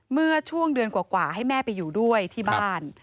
เมื่อช่วงเดือนกว่าให้แม่ไปอยู่ด้วยที่บ้าน